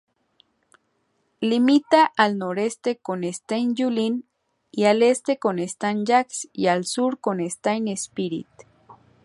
Limita al noroeste con Sainte-Julienne, al este con Saint-Jacques y al sur con Saint-Esprit.